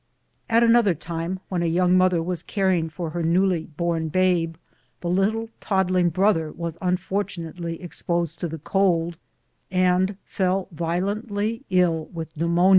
At another time, when a young mother was caring for her newly born babe, the little toddling brother was unfortunately ex posed to the cold, and fell violently ill with pneumonia.